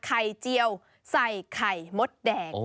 เจียวใส่ไข่มดแดง